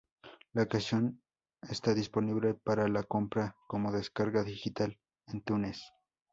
La canción está disponible para la compra como descarga digital en iTunes.